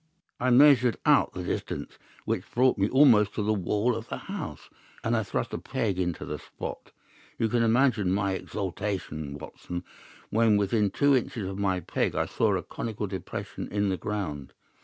I measured out the distance, which brought me almost to the wall of the house, and I thrust a peg into the spot. You can imagine my exultation, Watson, when within two inches of my peg I saw a conical depression in the ground.